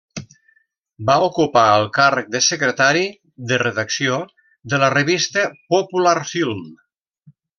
Va ocupar el càrrec de secretari de redacció de la revista Popular Film.